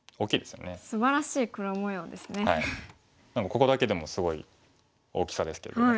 ここだけでもすごい大きさですけども。